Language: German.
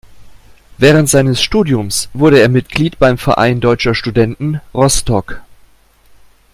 Während seines Studiums wurde er Mitglied beim "Verein Deutscher Studenten Rostock".